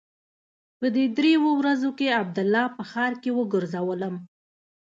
په دې درېو ورځو کښې عبدالله په ښار کښې وګرځولم.